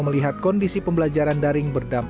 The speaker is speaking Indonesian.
melihat kondisi pembelajaran daring